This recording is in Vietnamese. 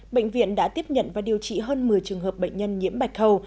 bệnh viện đã tiếp nhận và điều trị hơn một mươi trường hợp bệnh nhân nhiễm bạch hầu